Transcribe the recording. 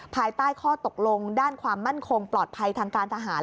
ภายใต้ข้อตกลงด้านความมั่นคงปลอดภัยทางการทหาร